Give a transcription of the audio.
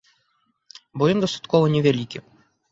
Бо ён дастаткова невялікі.